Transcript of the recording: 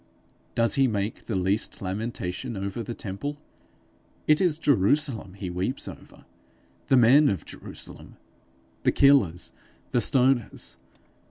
Does he make the least lamentation over the temple? It is Jerusalem he weeps over the men of Jerusalem, the killers, the stoners.